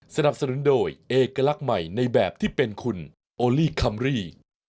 สนับสนุนโดยเอกลักษณ์ใหม่ในแบบที่เป็นคุณโอลี่คัมรี่